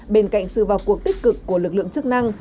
bên cạnh sự vào cuộc tích cực của lực lượng chức năng